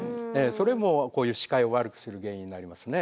それも視界を悪くする原因になりますね。